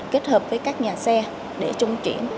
kết hợp với các nhà xe để trung chuyển